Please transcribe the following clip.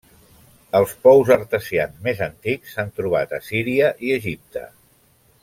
Els pous artesians més antics s'han trobat a Síria i Egipte.